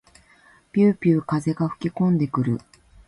ぴゅうぴゅう風が吹きこんでくる。